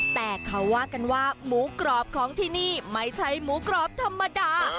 แต่เขาว่ากันว่าหมูกรอบของที่นี่ไม่ใช่หมูกรอบธรรมดา